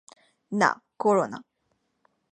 না, করো না!